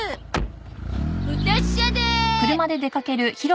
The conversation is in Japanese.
お達者で。